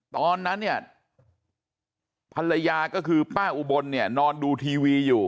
ตอนนั้นเนี่ยภรรยาก็คือป้าอุบลเนี่ยนอนดูทีวีอยู่